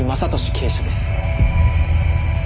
警視です。